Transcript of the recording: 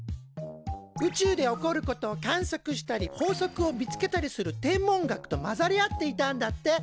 宇宙で起こることを観測したり法則を見つけたりする天文学と混ざり合っていたんだって。